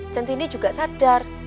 centini juga sadar